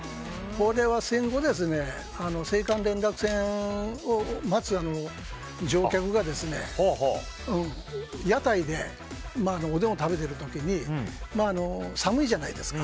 戦後、青函連絡船を待つ乗客が屋台でおでんを食べている時に寒いじゃないですか。